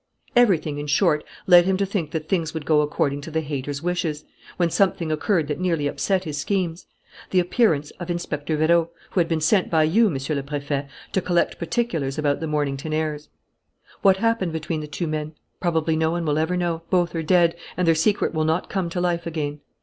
"Everything, in short, led him to think that things would go according to the 'hater's' wishes, when something occurred that nearly upset his schemes: the appearance of Inspector Vérot, who had been sent by you, Monsieur le Préfet, to collect particulars about the Mornington heirs. What happened between the two men? Probably no one will ever know. Both are dead; and their secret will not come to life again.